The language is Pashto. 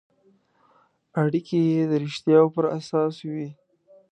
اړیکې یې د رښتیاوو پر اساس وي.